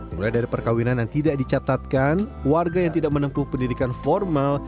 mulai dari perkawinan yang tidak dicatatkan warga yang tidak menempuh pendidikan formal